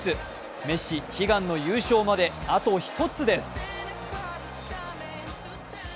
メッシ、悲願の優勝まであと１つです。